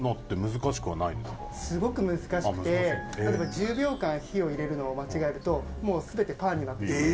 前澤さん：例えば、１０秒間火を入れるのを間違えるともう全てパーになってしまう。